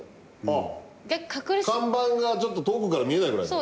あっ看板がちょっと遠くから見えないぐらいの？